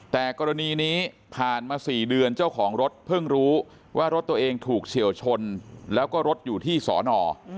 แต่กรณีนี้ผ่านมา๔เดือนเจ้าของรถเพิ่งรู้ว่ารถตัวเองถูกเฉียวชนแล้วก็รถอยู่ที่สอนอ